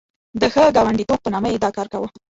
د ښه ګاونډیتوب په نامه یې دا کار کاوه.